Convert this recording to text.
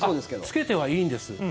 着けてはいいんです。